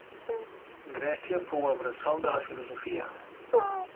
Grècia fou el bressol de la filosofia.